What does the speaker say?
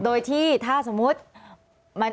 โดยที่ถ้าสมมุติ